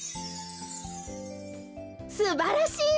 すばらしいわ！